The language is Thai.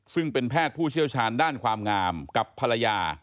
ซึ่งเป็นแพทย์ผู้เชี่ยวชาญด้านความงามกับภรรยา